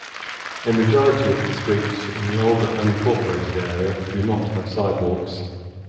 A majority of the streets in the older unincorporated area do not have sidewalks.